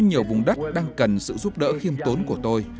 nhiều vùng đất đang cần sự giúp đỡ khiêm tốn của tôi